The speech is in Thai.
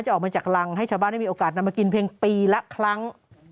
ออกมาจากรังให้ชาวบ้านได้มีโอกาสนำมากินเพียงปีละครั้ง